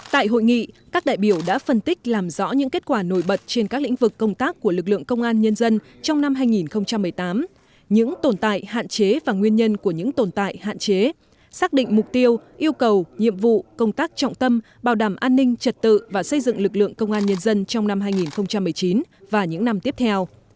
tại hội nghị các đại biểu đã phân tích làm rõ những kết quả nổi bật trên các lĩnh vực công tác của lực lượng công an nhân dân trong năm hai nghìn một mươi tám những tồn tại hạn chế và nguyên nhân của những tồn tại hạn chế xác định mục tiêu yêu cầu nhiệm vụ công tác trọng tâm bảo đảm an ninh trật tự và xây dựng lực lượng công an nhân dân trong năm hai nghìn một mươi chín và những năm tiếp theo